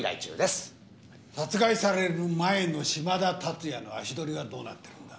殺害される前の嶋田龍哉の足取りはどうなってるんだ？